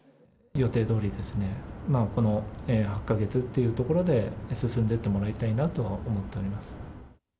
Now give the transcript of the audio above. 予定どおりこの８か月というところで、進んでってもらいたいなと思っております。